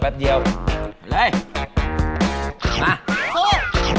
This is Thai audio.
ไปเลยมาสู้